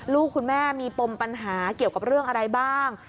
ลูกคุณแม่มีปมปัญหาเกี่ยวกับเรื่องอะไรบ้าง